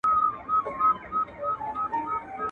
که تاجک دی، که اوزبک دی، یو افغان دی.